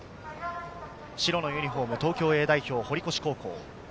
白のユニホーム、東京Ａ代表・堀越高校。